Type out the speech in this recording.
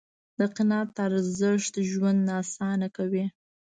د قناعت ارزښت ژوند آسانه کوي.